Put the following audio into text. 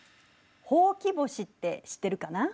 ほうき星って知ってるかな？